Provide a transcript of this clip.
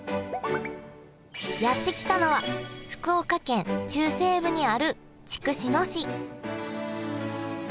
やって来たのは福岡県中西部にある筑紫野市